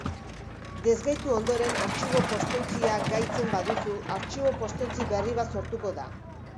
Desgaitu ondoren artxibo-postontzia gaitzen baduzu, artxibo-postontzi berri bat sortuko da